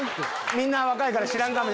みんな若いから知らんかも。